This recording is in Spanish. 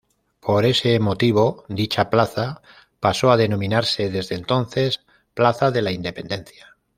Por ese motivo dicha plaza pasó a denominarse desde entonces "Plaza de la Independencia".